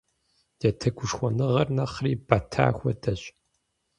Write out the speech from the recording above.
Я тегушхуэныгъэр нэхъри бэта хуэдэщ.